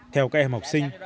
theo các em học sinh